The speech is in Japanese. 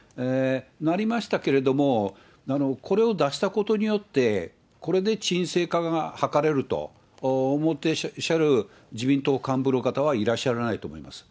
なりましたけども、これを出したことによって、これで鎮静化が図れると思ってらっしゃる自民党幹部の方はいらっしゃらないと思います。